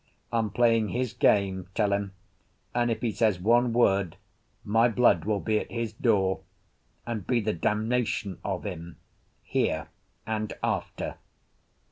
I'm playing his game, tell him, and if he says one word my blood will be at his door and be the damnation of him here and after."